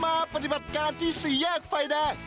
ปฏิบัติการที่สี่แยกไฟแดง